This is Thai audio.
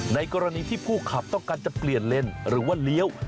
ในกรณีที่ผู้ขับต้องการจะเปลี่ยนเลนหรือว่าเลี้ยว